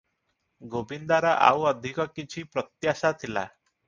ଗୋବିନ୍ଦାର ଆଉ ଅଧିକ କିଛି ପ୍ରତ୍ୟାଶା ଥିଲା ।